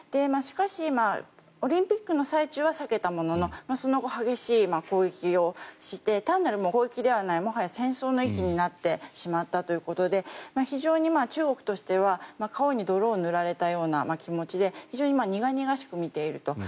しかし、オリンピックの最中は避けたもののそのあと激しい攻撃をして単なる攻撃ではないもはや戦争の域になってしまったということで非常に今、中国としては顔に泥を塗られたような気持ちで非常に苦々しく見ていると。